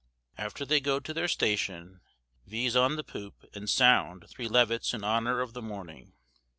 After they goe to their station, viz. on the poope, and sound three levitts in honour of the morning.